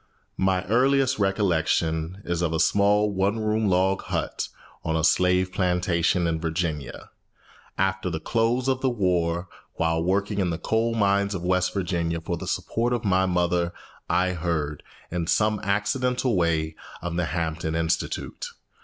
My earliest recollection is of a small one room log hut on a slave plantation in Virginia. After the close of the war, while working in the coal mines of West Virginia for the support of my mother, I heard, in some accidental way, of the Hampton Institute.